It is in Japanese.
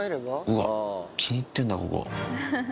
うわ気に入ってんだここ。